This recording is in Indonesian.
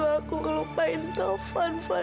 aku bukan taufan